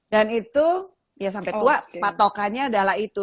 dan itu ya sampai tua patokannya adalah itu